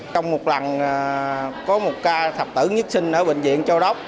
trong một lần có một ca thập tử nhất sinh ở bệnh viện châu đốc